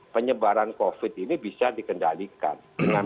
penyebaran covid ini bisa dikendalikan